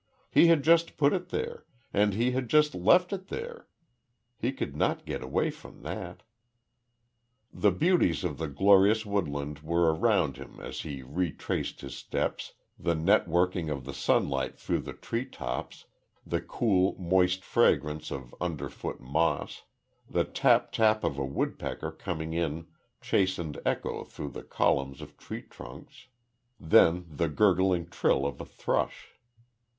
He had just put it there, and he had just left it there. He could not get away from that. The beauties of the glorious woodland were around him as he retraced his steps, the networking of the sunlight through the tree tops, the cool, moist fragrance of underfoot moss, the tap tap of a woodpecker coming in chastened echo through the columns of tree trunks, then the gurgling trill of a thrush.